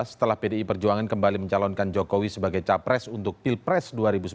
setelah pdi perjuangan kembali mencalonkan jokowi sebagai capres untuk pilpres dua ribu sembilan belas